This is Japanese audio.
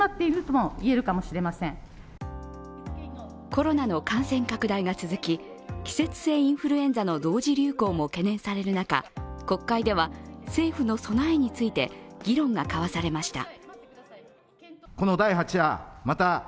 コロナの感染拡大が続き、季節性インフルエンザの同時流行も懸念される中国会では、政府の備えについて議論が交わされました。